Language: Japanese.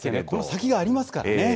この先がありますからね。